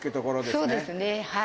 そうですね。